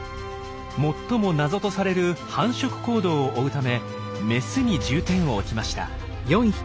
最も謎とされる繁殖行動を追うためメスに重点を置きました。